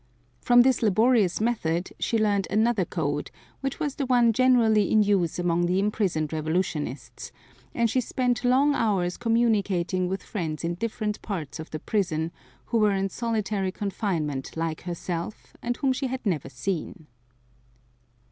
From this laborous method she learned another code which was the one generally in use among the imprisoned revolutionists; and she spent long hours communicating with friends in different parts of the prison who were in solitary confinement like herself, and whom she had never seen.